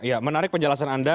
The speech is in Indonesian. ya menarik penjelasan anda